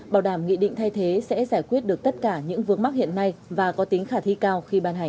bảo đảm nghị định thay thế sẽ giải quyết được tất cả những vướng mắc hiện nay và có tính khả thi cao khi ban hành